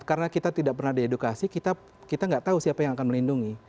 karena kita tidak pernah diedukasi kita nggak tahu siapa yang akan melindungi